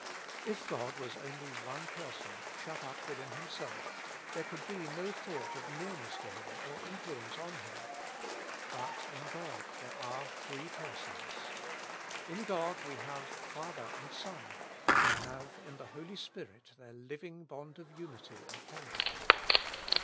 If God was only one Person, shut up within Himself, there could be no thought of nearness to Him or influence on Him. But in God there are three Persons. In God we have Father and Son, who have in the Holy Spirit their living bond of unity and fellowship.